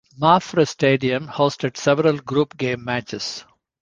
Mapfre Stadium hosted several group game matches.